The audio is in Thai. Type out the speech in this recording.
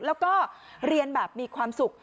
แล้วก็เรียนแบบมีความสุข